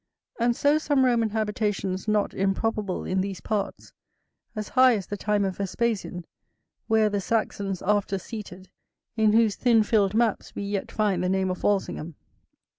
And so some Roman habitations not improbable in these parts, as high as the time of Vespasian, where the Saxons after seated, in whose thin filled maps we yet find the name of Walsingham.